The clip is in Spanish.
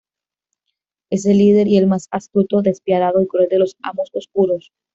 Es el líder y el más astuto, despiadado y cruel de los Amos Oscuros.